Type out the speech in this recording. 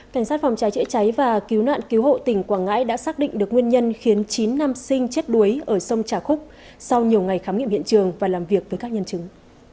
cảnh sát phòng cháy chữa cháy và cứu nạn cứu hộ tỉnh quảng ngãi đã xác định được nguyên nhân khiến chín nam sinh chết đuối ở sông trà khúc sau nhiều ngày khám nghiệm hiện trường và làm việc với các nhân chứng